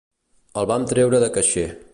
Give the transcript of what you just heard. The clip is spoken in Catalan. El van treure de caixer.